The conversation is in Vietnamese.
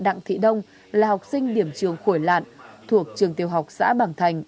đặng thị đông là học sinh điểm trường khuổi lạn thuộc trường tiêu học xã bằng thành